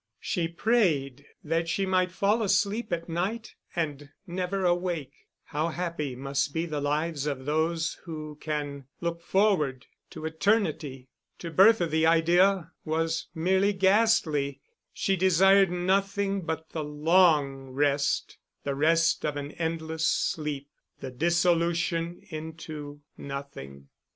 She prayed that she might fall asleep at night and never awake. How happy must be the lives of those who can look forward to eternity! To Bertha the idea was merely ghastly; she desired nothing but the long rest, the rest of an endless sleep, the dissolution into nothing.